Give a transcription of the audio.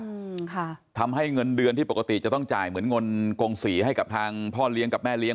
อืมค่ะทำให้เงินเดือนที่ปกติจะต้องจ่ายเหมือนเงินกงศรีให้กับทางพ่อเลี้ยงกับแม่เลี้ย